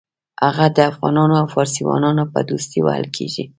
هغه د افغانانو او فارسیانو په دوستۍ وهل کېږي.